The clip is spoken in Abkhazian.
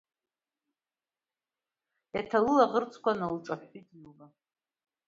Еиҭа лылаӷырӡқәа налҿаҳәҳәит Лиуба.